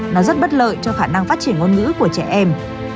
nó rất bất lợi cho khả năng phát triển ngôn ngữ của trẻ em